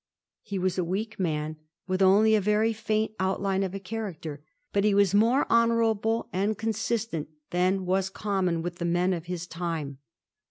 He was a weak man, with only a very faint outline of a character ; but he was more honourable and consistent than was common with the men of his time.